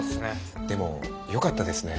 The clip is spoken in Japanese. でもよかったですね